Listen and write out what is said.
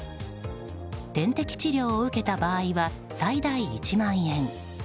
点滴治療を受けた場合は最大１万円。